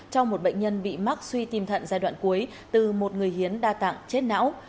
cho một bệnh nhân bị mắc suy tim thận giai đoạn cuối từ một người hiến đa tạng chết não